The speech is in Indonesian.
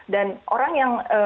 dan orang yang